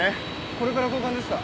これから交換ですか？